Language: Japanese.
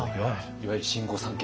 いわゆる新御三家。